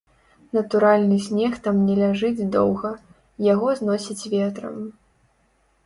Натуральны снег там не ляжыць доўга, яго зносіць ветрам.